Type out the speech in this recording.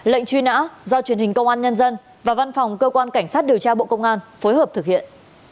lệnh truy nã do truyền hình công an nhân dân và văn phòng cơ quan cảnh sát điều tra bộ công an phối hợp thực hiện